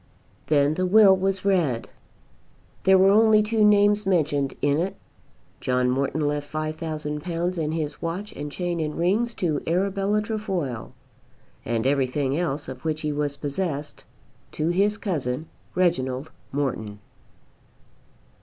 Then the will was read. There were only two names mentioned in it. John Morton left £5,000 and his watch and chain and rings to Arabella Trefoil, and everything else of which he was possessed to his cousin Reginald Morton.